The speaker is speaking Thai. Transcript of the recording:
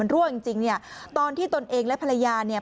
รั่วจริงจริงเนี่ยตอนที่ตนเองและภรรยาเนี่ย